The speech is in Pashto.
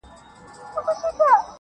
د اجل قاصد نیژدې سو کور یې وران سو-